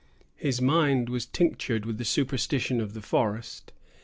His mind was tinctured with the superstitions of the forest.